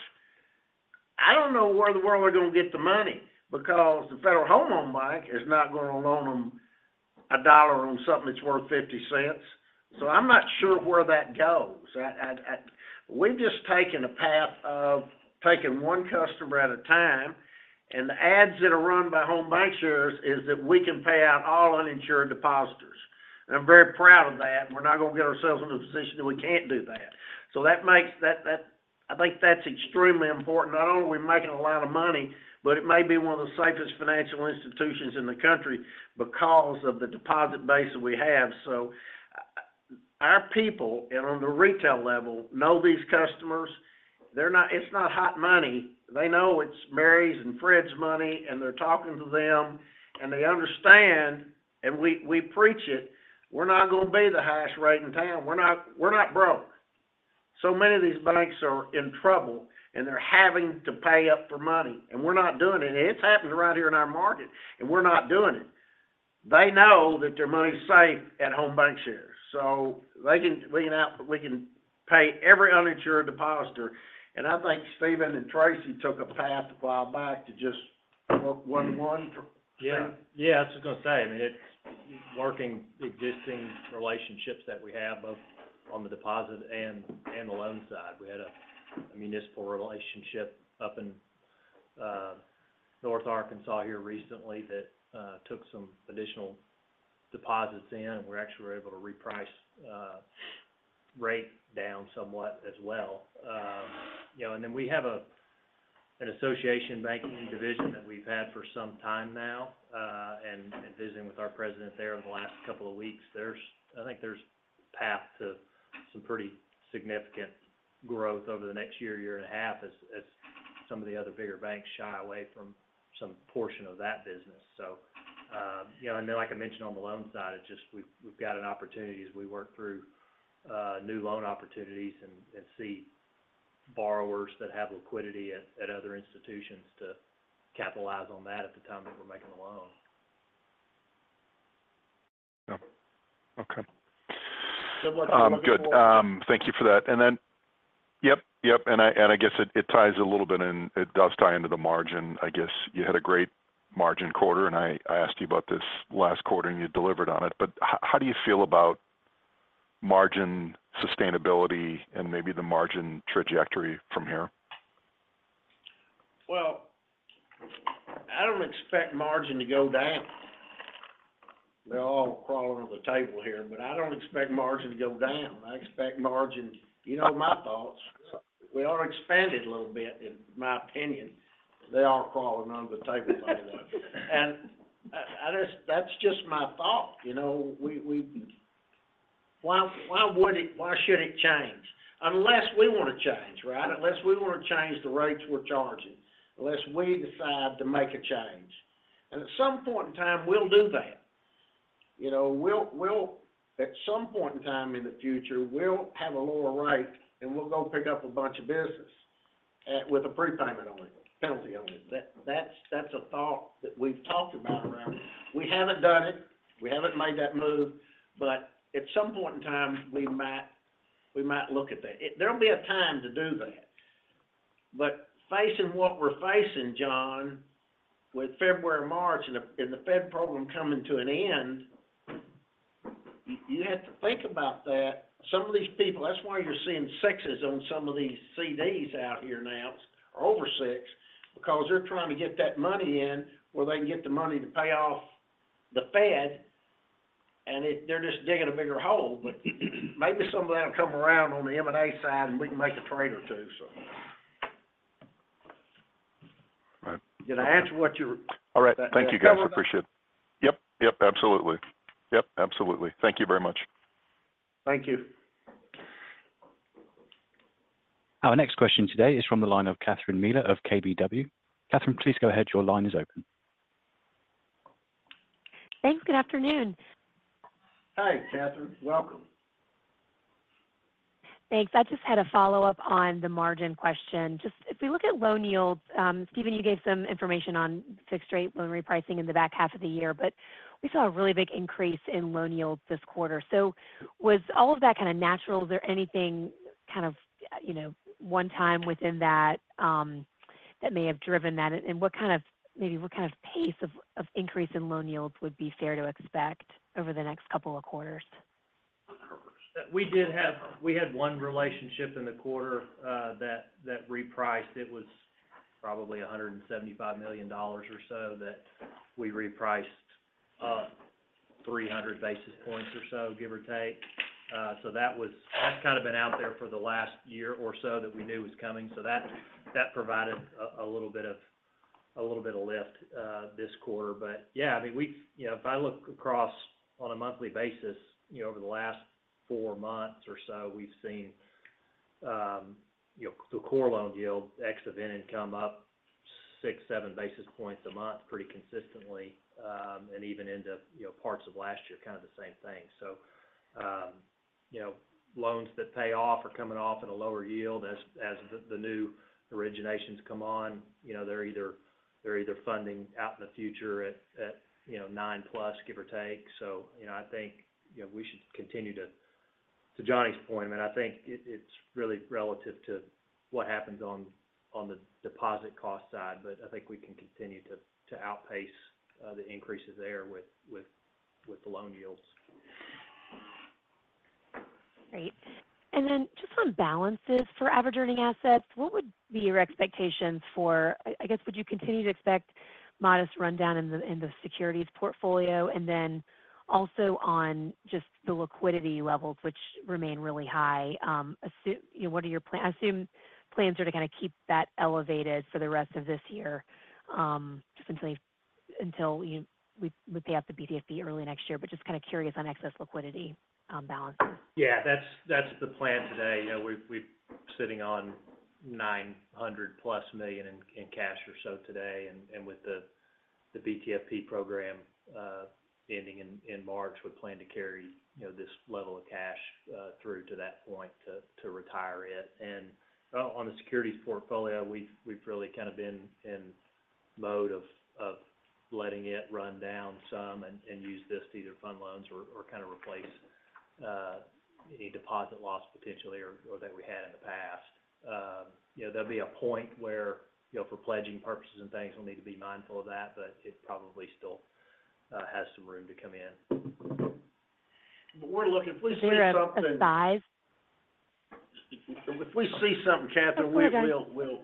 I don't know where in the world they're going to get the money, because the Federal Home Loan Bank is not going to loan them a dollar on something that's worth $0.50. So I'm not sure where that goes. We've just taken a path of taking one customer at a time, and the ads that are run by Home BancShares is that we can pay out all uninsured depositors, and I'm very proud of that, and we're not going to get ourselves in a position that we can't do that. So that makes... I think that's extremely important. Not only are we making a lot of money, but it may be one of the safest financial institutions in the country because of the deposit base that we have. So our people, and on the retail level, know these customers. They're not. It's not hot money. They know it's Mary's and Fred's money, and they're talking to them, and they understand, and we, we preach it. We're not going to be the highest rate in town. We're not, we're not broke. So many of these banks are in trouble, and they're having to pay up for money, and we're not doing it. And it's happening right here in our market, and we're not doing it. They know that their money is safe at Home BancShares, so they can lean out, we can pay every uninsured depositor. And I think Stephen and Tracy took a path a while back to just work one-on-one for. Yeah. Yeah, I was just going to say, I mean, it's working existing relationships that we have both on the deposit and the loan side. We had a municipal relationship up in North Arkansas here recently that took some additional deposits in, and we're actually able to reprice rate down somewhat as well. You know, and then we have an association banking division that we've had for some time now, and visiting with our president there in the last couple of weeks, there's, I think there's path to some pretty significant growth over the next year, year and a half, as some of the other bigger banks shy away from some portion of that business. So, you know, and then, like I mentioned on the loan side, it's just we've got an opportunity as we work through new loan opportunities and see borrowers that have liquidity at other institutions to capitalize on that at the time that we're making the loan. Yeah. Okay. So what- Good. Thank you for that. And then, yep, yep, and I guess it ties a little bit in. It does tie into the margin. I guess you had a great margin quarter, and I asked you about this last quarter, and you delivered on it. But how do you feel about margin sustainability and maybe the margin trajectory from here? Well, I don't expect margin to go down. They're all crawling on the table here, but I don't expect margin to go down. I expect margin. You know my thoughts. We are expanded a little bit, in my opinion. They are crawling under the table right now. That's just my thought. You know, why would it change? Why should it change? Unless we want to change, right? Unless we want to change the rates we're charging, unless we decide to make a change. And at some point in time, we'll do that. You know, we'll at some point in time in the future, we'll have a lower rate, and we'll go pick up a bunch of business with a prepayment on it, penalty on it. That's a thought that we've talked about. We haven't done it, we haven't made that move, but at some point in time, we might, we might look at that. It. There'll be a time to do that. But facing what we're facing, John, with February, March, and the Fed program coming to an end, you have to think about that. Some of these people. That's why you're seeing 6% on some of these CDs out here now, or over 6%... because they're trying to get that money in, where they can get the money to pay off the Fed, and it. They're just digging a bigger hole. But maybe some of that'll come around on the M&A side, and we can make a trade or two, so. Right. Did I answer what you were... All right. Thank you, guys, appreciate it. Yep. Yep, absolutely. Yep, absolutely. Thank you very much. Thank you. Our next question today is from the line of Catherine Mealor of KBW. Catherine, please go ahead. Your line is open. Thanks. Good afternoon. Hi, Catherine. Welcome. Thanks. I just had a follow-up on the margin question. Just if we look at loan yields, Stephen, you gave some information on fixed-rate loan repricing in the back half of the year, but we saw a really big increase in loan yields this quarter. So was all of that kind of natural? Is there anything kind of, you know, one time within that, that may have driven that? And what kind of-- maybe what kind of pace of increase in loan yields would be fair to expect over the next couple of quarters? We had one relationship in the quarter that repriced. It was probably $175 million or so that we repriced, 300 basis points or so, give or take. So that was. That's kind of been out there for the last year or so that we knew was coming, so that provided a little bit of lift this quarter. But yeah, I mean, we you know, if I look across on a monthly basis, you know, over the last four months or so, we've seen, you know, the core loan yield ex event income up six to sevenbasis points a month, pretty consistently, and even into, you know, parts of last year, kind of the same thing. So, you know, loans that pay off are coming off at a lower yield as the new originations come on. You know, they're either funding out in the future at, you know, 9+, give or take. So, you know, I think, you know, we should continue to... To Johnny's point, I mean, I think it's really relative to what happens on the deposit cost side, but I think we can continue to outpace the increases there with the loan yields. Great. And then just on balances for average earning assets, what would be your expectations? I guess, would you continue to expect modest rundown in the securities portfolio? And then also on just the liquidity levels, which remain really high, you know, what are your plans? I assume plans are to kind of keep that elevated for the rest of this year, just until we pay out the BTFP early next year, but just kind of curious on excess liquidity balances. Yeah, that's the plan today. You know, we've, we're sitting on $900+ million in cash or so today, and with the BTFP program ending in March, we plan to carry you know this level of cash through to that point to retire it. And on the securities portfolio, we've really kind of been in mode of lettisng it run down some and use this to either fund loans or kind of replace any deposit loss potentially or that we had in the past. You know, there'll be a point where you know for pledging purposes and things, we'll need to be mindful of that, but it probably still has some room to come in. But we're looking if we see something Is there a size? If we see something, Catherine. That's alright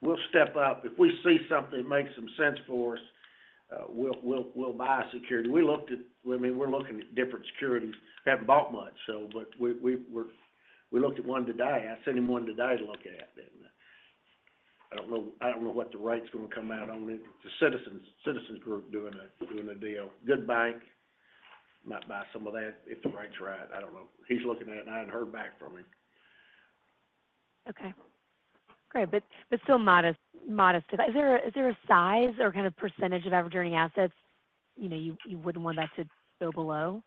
We'll step up. If we see something that makes some sense for us, we'll buy a security. We looked at—I mean, we're looking at different securities. Haven't bought much, so but we looked at one today. I sent him one today to look at, and I don't know what the rate's going to come out on it. The Citizens Group doing a deal. Good bank, might buy some of that if the rate's right. I don't know. He's looking at it, and I hadn't heard back from him. Okay. Great. But still modest. Is there a size or kind of percentage of average earning assets, you know, you wouldn't want that to go below?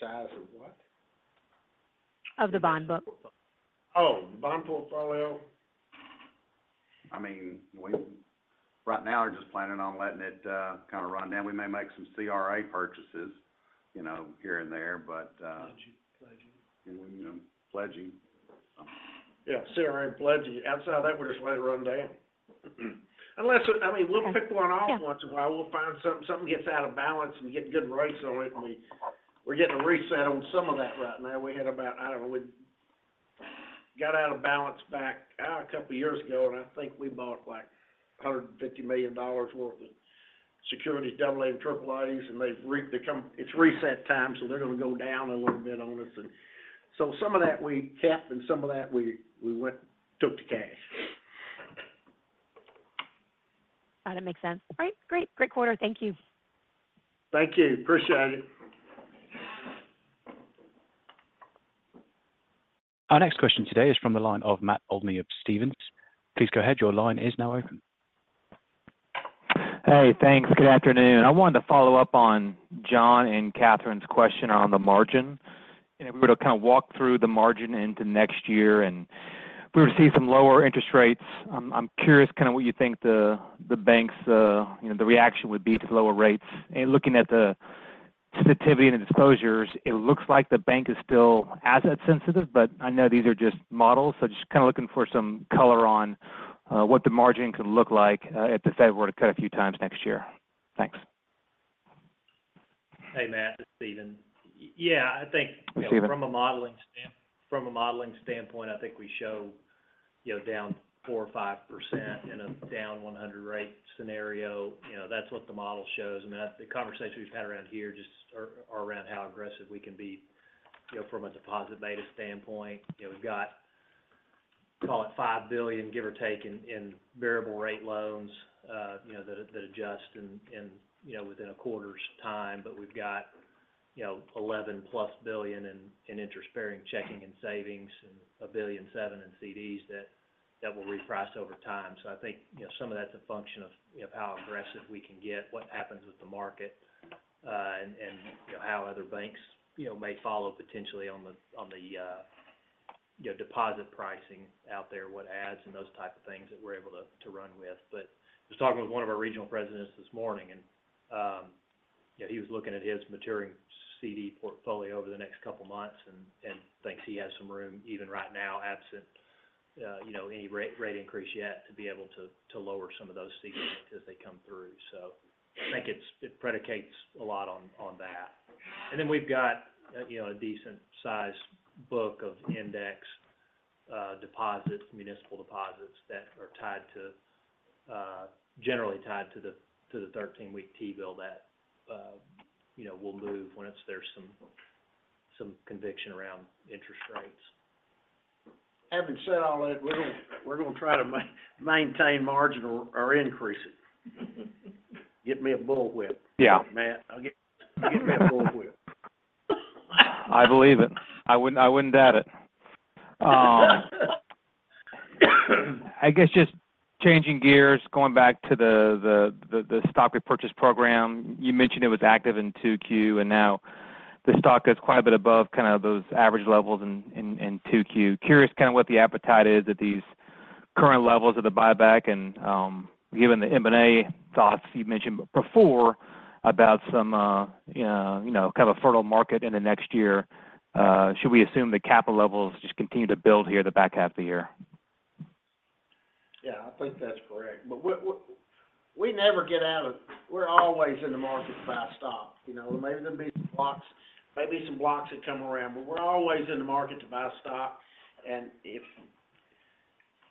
Size of what? Of the bond book. Oh, the bond portfolio? I mean, we right now are just planning on letting it kind of run down. We may make some CRA purchases, you know, here and there, but- Pledging, pledging. Yeah, CRA and pledging. Outside that, we just let it run down. Unless, I mean, we'll pick one off once in a while. We'll find something, something gets out of balance, and we get good rates on it, and we're getting a reset on some of that right now. We had about, I don't know, we got out of balance back a couple of years ago, and I think we bought, like, $150 million worth of securities, double A and triple A, and they've, it's reset time, so they're going to go down a little bit on us. And so some of that we kept, and some of that we went and took the cash. That makes sense. All right, great. Great quarter. Thank you. Thank you. Appreciate it. Our next question today is from the line of Matt Olney of Stephens. Please go ahead. Your line is now open. Hey, thanks. Good afternoon. I wanted to follow up on John and Catherine's question on the margin. And if we were to kind of walk through the margin into next year, and if we were to see some lower interest rates, I'm curious kind of what you think the bank's, you know, the reaction would be to lower rates. And looking at the sensitivity and the disclosures, it looks like the bank is still asset sensitive, but I know these are just models, so just kind of looking for some color on, what the margin could look like, if the Fed were to cut a few times next year. Thanks. .Hey, Matt, it's Stephen. Yeah, I think. Hi, Stephen. From a modeling standpoint, I think we show, you know, down 4%-5% in a down 100 rate scenario. You know, that's what the model shows. I mean, that's the conversation we've had around here, just around how aggressive we can be, you know, from a deposit beta standpoint. You know, we've got, call it $5 billion, give or take, in variable rate loans, you know, that adjust in, you know, within a quarter's time. But we've got, you know, $11 billion+ in interest-bearing checking and savings, and $1.7 billion in CDs that will reprice over time. So I think, you know, some of that's a function of how aggressive we can get, what happens with the market, and, you know, how other banks, you know, may follow potentially on the, you know, deposit pricing out there, what ads and those type of things that we're able to run with. But I was talking with one of our regional presidents this morning, and, you know, he was looking at his maturing CD portfolio over the next couple of months and thinks he has some room, even right now, absent, you know, any rate increase yet, to be able to lower some of those CDs as they come through. So I think it predicates a lot on that. And then we've got, you know, a decent-sized book of index deposits, municipal deposits, that are tied to, generally tied to the 13-week T-bill that, you know, will move once there's some conviction around interest rates. Having said all that, we're gonna try to maintain margin or increase it. Get me a bullwhip- Yeah. Matt. I'll get me a bullwhip. I believe it. I wouldn't, I wouldn't doubt it. I guess just changing gears, going back to the stock repurchase program. You mentioned it was active in Q2, and now the stock is quite a bit above kind of those average levels in Q2. Curious kind of what the appetite is at these current levels of the buyback, and given the M&A thoughts you mentioned before about you know, kind of a fertile market in the next year, should we assume the capital levels just continue to build here the back half of the year? Yeah, I think that's correct. But what, what... We never get out of, we're always in the market to buy stock. You know, maybe there'll be some blocks, maybe some blocks that come around, but we're always in the market to buy stock. And if,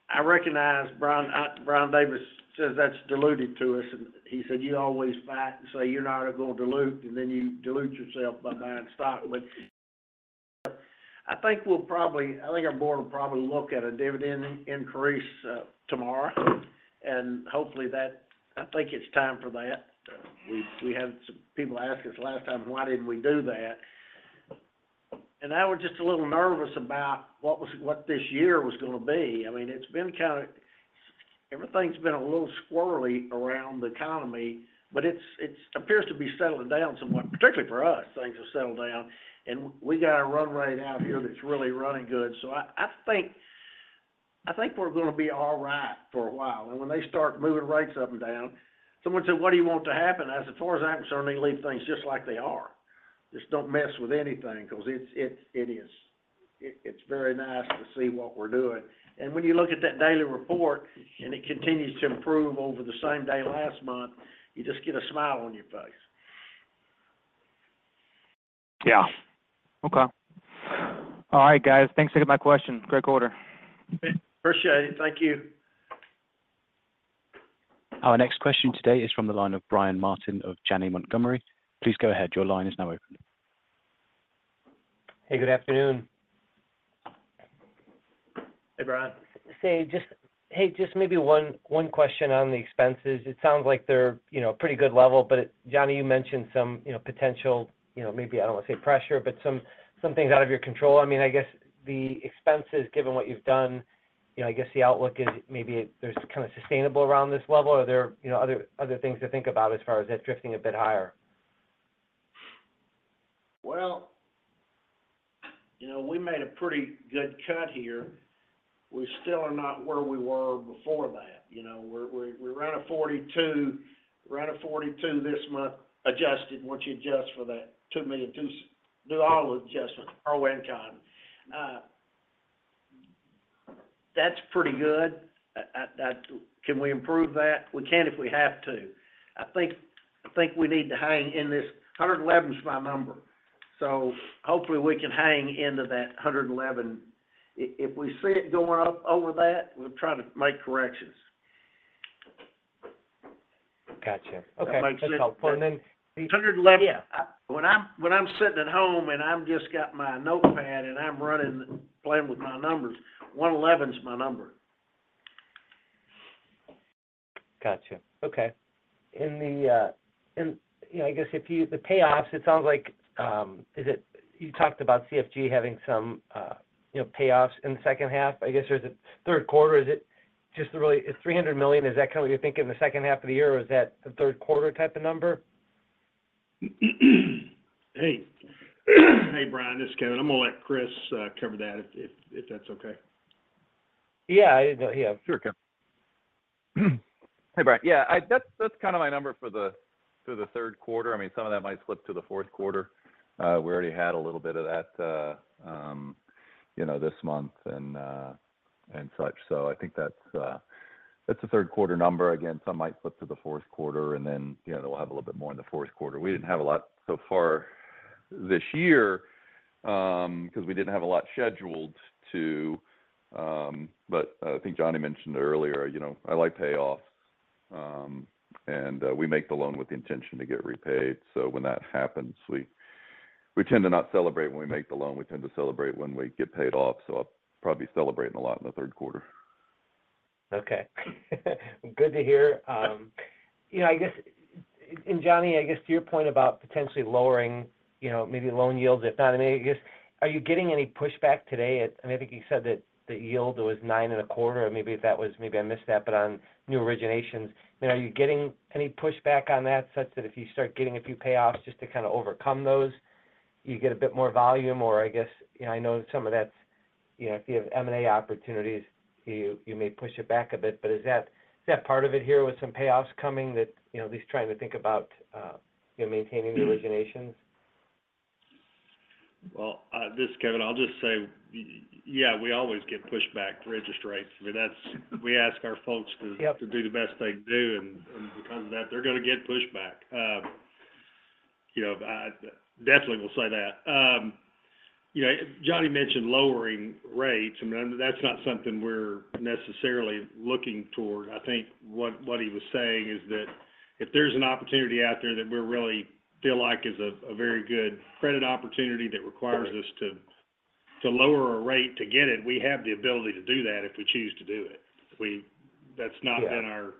I recognize Brian, Brian Davis says that's diluted to us, and he said, "You always buy it," and say, "You're not going to dilute, and then you dilute yourself by buying stock." But I think we'll probably, I think our board will probably look at a dividend increase, tomorrow, and hopefully, that, I think it's time for that. We, we had some people ask us last time, why didn't we do that? And I was just a little nervous about what was, what this year was gonna be. I mean, it's been kind of. Everything's been a little squirrely around the economy, but it appears to be settling down somewhat, particularly for us. Things have settled down, and we got a run rate out here that's really running good. So I think we're gonna be all right for a while. And when they start moving rates up and down, someone said: "What do you want to happen?" I said, "As far as I'm concerned, they leave things just like they are. Just don't mess with anything because it is very nice to see what we're doing." And when you look at that daily report, and it continues to improve over the same day last month, you just get a smile on your face. Yeah. Okay. All right, guys, thanks for taking my question. Great quarter. Appreciate it. Thank you. Our next question today is from the line of Brian Martin of Janney Montgomery. Please go ahead, your line is now open. Hey, good afternoon. Hey, Brian. Hey, just maybe one question on the expenses. It sounds like they're, you know, pretty good level, but Johnny, you mentioned some, you know, potential, you know, maybe, I don't want to say pressure, but some things out of your control. I mean, I guess the expenses, given what you've done, you know, I guess the outlook is maybe it—there's kind of sustainable around this level, or are there, you know, other things to think about as far as that drifting a bit higher? Well, you know, we made a pretty good cut here. We still are not where we were before that. You know, we're, we're, we're around a 42, around a 42 this month, adjusted, once you adjust for that $2 million, two—do all the adjustments, pro and con. That's pretty good. Can we improve that? We can if we have to. I think, I think we need to hang in this. 111 is my number, so hopefully we can hang into that 111. If we see it going up over that, we'll try to make corrections. Gotcha. Okay. That makes sense. That's all. And then. 111- Yeah. When I'm sitting at home, and I've just got my notepad, and I'm running, playing with my numbers, 111 is my number. Gotcha. Okay. In the, you know, I guess the payoffs, it sounds like, you talked about CFG having some, you know, payoffs in the second half. I guess, or is it third quarter? Is it just really... It's $300 million, is that kind of what you're thinking in the second half of the year, or is that a third quarter type of number? Hey, hey, Brian, it's Kevin. I'm going to let Chris cover that, if that's okay. Yeah, yeah. Sure, Kevin. Hey, Brian. Yeah, that's kind of my number for the third quarter. I mean, some of that might slip to the fourth quarter. We already had a little bit of that. You know, this month and, and such. So I think that's, that's a third quarter number. Again, some might flip to the fourth quarter, and then, you know, they'll have a little bit more in the fourth quarter. We didn't have a lot so far this year, 'cause we didn't have a lot scheduled to... But, I think Johnny mentioned earlier, you know, I like payoffs, and, we make the loan with the intention to get repaid. So when that happens, we, we tend to not celebrate when we make the loan. We tend to celebrate when we get paid off, so I'll probably be celebrating a lot in the third quarter. Okay. Good to hear. You know, I guess, and Johnny, I guess to your point about potentially lowering, you know, maybe loan yields, if not, I mean, I guess, are you getting any pushback today I mean, I think you said that the yield was 9.25%, or maybe that was, maybe I missed that, but on new originations, you know, are you getting any pushback on that, such that if you start getting a few payoffs just to kind of overcome those, you get a bit more volume? Or I guess, you know, I know some of that's, you know, if you have M&A opportunities, you, you may push it back a bit. But is that, is that part of it here with some payoffs coming that, you know, at least trying to think about, you know, maintaining the originations? Well, this, Kevin, I'll just say, yeah, we always get pushback to register rates. I mean, we ask our folks to- Yep To do the best they do, and because of that, they're going to get pushback. You know, I definitely will say that. You know, Johnny mentioned lowering rates, and that's not something we're necessarily looking toward. I think what he was saying is that if there's an opportunity out there that we really feel like is a very good credit opportunity that requires us to lower our rate to get it, we have the ability to do that if we choose to do it. We-- that's not been our-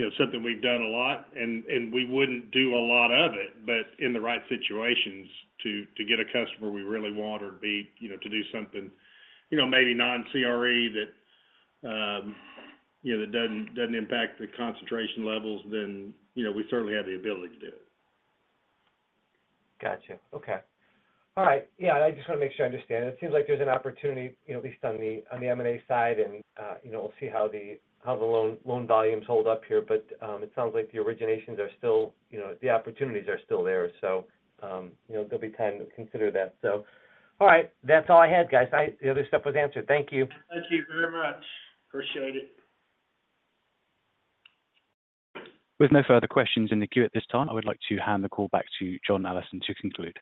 Yeah You know, something we've done a lot, and we wouldn't do a lot of it, but in the right situations, to get a customer we really want or be, you know, to do something, you know, maybe non-CRE that, you know, that doesn't impact the concentration levels, then, you know, we certainly have the ability to do it. Gotcha. Okay. All right. Yeah, I just want to make sure I understand. It seems like there's an opportunity, you know, at least on the M&A side, and you know, we'll see how the loan volumes hold up here. But it sounds like the originations are still, you know, the opportunities are still there, so you know, there'll be time to consider that. So all right. That's all I had, guys. The other stuff was answered. Thank you. Thank you very much. Appreciate it. With no further questions in the queue at this time, I would like to hand the call back to John Allison to conclude.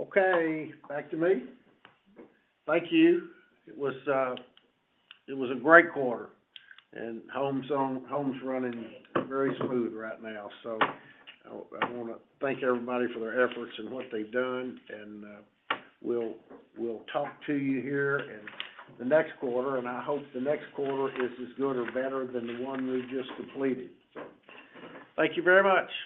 Okay, back to me. Thank you. It was a great quarter, and Home's running very smooth right now, so I, I want to thank everybody for their efforts and what they've done, and we'll talk to you here in the next quarter, and I hope the next quarter is as good or better than the one we've just completed. So thank you very much!